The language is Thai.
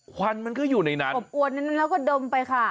ควันมันก็อยู่ในนั้นอบอวนแล้วก็ดมไปค่ะ